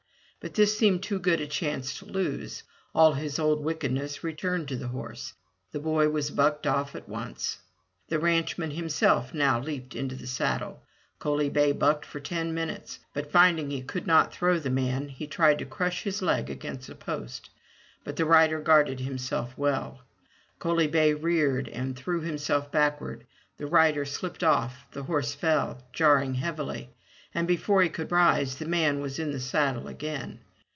But this seemed too good a chance to lose; all his old wickedness returned to the horse; the boy was bucked off at once. The ranchman himself now leaped into the saddle; Coaly bay bucked for ten minutes, but finding he could not throw the man, he tried to crush his leg against a post, but the rider guarded himself well. Coaly bay reared and threw himself backward; the rider slipped off, the horse fell, jarring heavily, and before he could rise the man was in the saddle again.